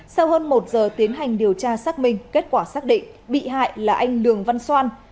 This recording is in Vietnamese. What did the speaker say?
sau hơn một giờ tiến hành điều tra xác minh kết quả xác định bị hại là anh lường văn xoan